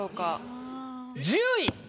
１０位。